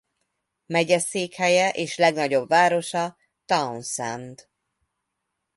Megyeszékhelye és legnagyobb városa Townsend.